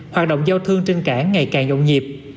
hoạt động giao thương trên cảng ngày càng nhộn nhịp